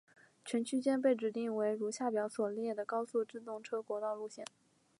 全区间被指定为如下表所列的高速自动车国道路线。